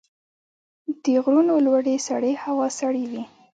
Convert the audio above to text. د غرونو لوړې سرې هوا سړې وي.